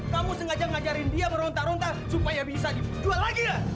kamu sengaja ngajarin dia merontak ronta supaya bisa dijual lagi lah